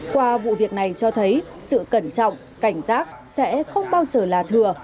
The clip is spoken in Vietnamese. qua vụ việc này cho thấy sự cẩn trọng cảnh giác sẽ không bao giờ là thừa